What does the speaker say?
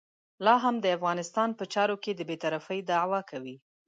لا هم د افغانستان په چارو کې د بې طرفۍ دعوې کوي.